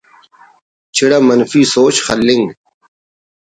چڑہ منفی سوچ خلنگ